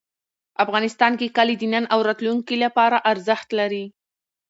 افغانستان کې کلي د نن او راتلونکي لپاره ارزښت لري.